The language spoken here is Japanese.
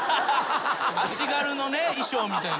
足軽のね衣装みたいな。